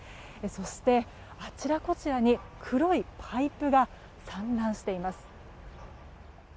そして、あちらこちらに黒いパイプが散乱しています。